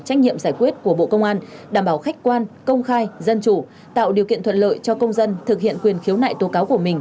trách nhiệm giải quyết của bộ công an đảm bảo khách quan công khai dân chủ tạo điều kiện thuận lợi cho công dân thực hiện quyền khiếu nại tố cáo của mình